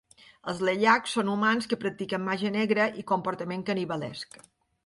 Els Leyaks són humans que practiquen màgia negra i comportament canibalesc.